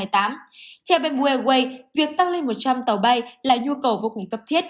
theo bamboo airways việc tăng lên một trăm linh tàu bay là nhu cầu vô cùng cấp thiết